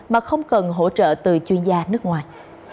mà không cần hỗ trợ từ chuyên gia nước ngoài